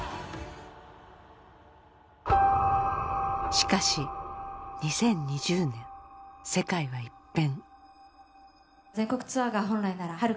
しかし２０２０年世界は一変。